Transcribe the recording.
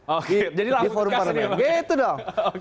oke jadi langsung gas ini